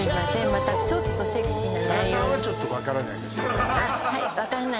またちょっとセクシーな内容わかんないね